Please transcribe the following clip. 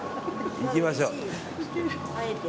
行きましょう。